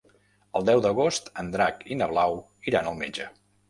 El deu d'agost en Drac i na Blau iran al metge.